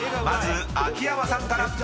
［まず秋山さんから］